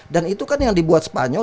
itu kan yang dibuat spanyol